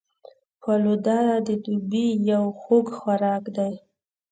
فالوده د دوبي یو خوږ خوراک دی